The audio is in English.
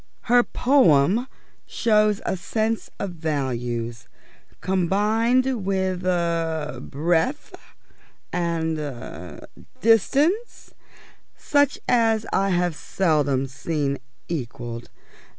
Her poem shows a sense of values combined with er breadth, and er distance, such as I have seldom seen equalled.